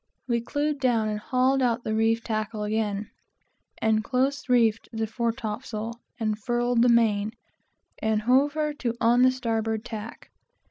We clewed down, and hauled out the reef tackles again, and close reefed the fore topsail, and furled the main, and hove her to on the starboard tack.